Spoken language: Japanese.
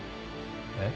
えっ？